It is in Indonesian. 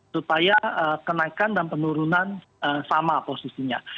supaya kenaikan dan penurunan sama posisinya